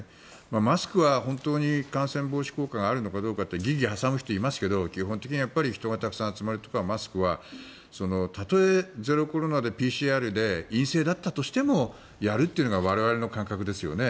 マスクは本当に感染防止効果があるのかと疑義を挟む人はいますが基本的に人が集まるところは例えゼロコロナでＰＣＲで陰性だったとしてもやるというのが我々の感覚ですよね。